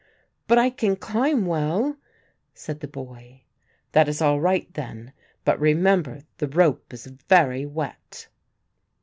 "But I can climb well," said the boy. "That is all right then, but remember the rope is very wet."